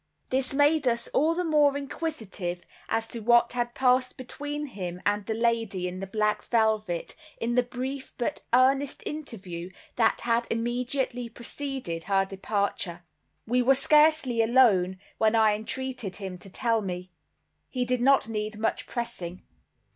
This made us all the more inquisitive as to what had passed between him and the lady in the black velvet, in the brief but earnest interview that had immediately preceded her departure. We were scarcely alone, when I entreated him to tell me. He did not need much pressing.